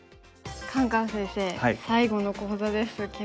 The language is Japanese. カンカン先生最後の講座ですけど。